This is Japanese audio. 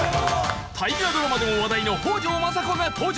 大河ドラマでも話題の北条政子が登場！